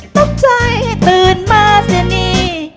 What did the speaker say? ต้มใจตื่นมาเสียหนี